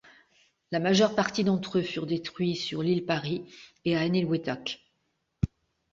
La majeure partie d'entre eux furent détruits sur l'île Parry et à Enewetak.